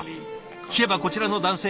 聞けばこちらの男性